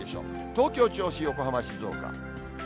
東京、銚子、横浜、静岡。